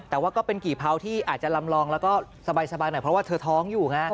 แต่ว่าก็เป็นกี่เผาที่อาจจะลำลองแล้วก็สบายหน่อยเพราะว่าเธอท้องอยู่ไง